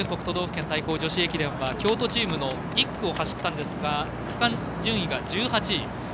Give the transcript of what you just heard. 都道府県対抗女子駅伝は京都チームの１区を走ったんですが区間順位は１８位。